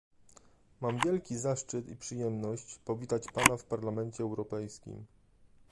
Mam wielki zaszczyt i przyjemność powitać pana w Parlamencie Europejskim